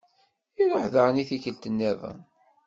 Iṛuḥ daɣen i tikkelt-nniḍen.